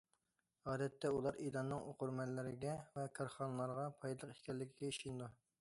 ئادەتتە ئۇلار ئېلاننىڭ ئوقۇرمەنلەرگە ۋە كارخانىلارغا پايدىلىق ئىكەنلىكىگە ئىشىنىدۇ.